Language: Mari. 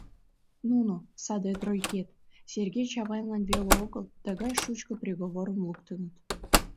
Нуно, саде «тройкет», Сергей Чавайнлан веле огыл тыгай шучко приговорым луктыныт.